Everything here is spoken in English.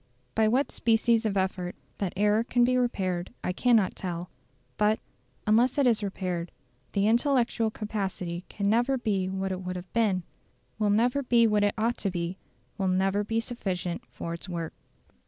By what species of effort that error can be repaired I cannot tell; but, unless it is repaired, the intellectual capacity can never be what it would have been, will never be what it ought to be, will never be sufficient for its work.